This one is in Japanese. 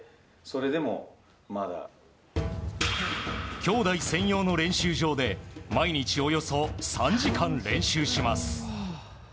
きょうだい専用の練習場で毎日およそ３時間練習します。